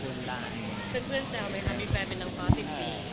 เพื่อนแซวไหมคะมีแฟนเป็นน้ำฟ้า๑๐ปี